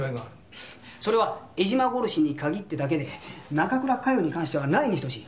それは江島殺しに限ってだけで中倉佳世に関してはないに等しい。